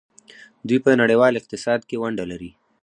دوی په نړیوال اقتصاد کې ونډه لري.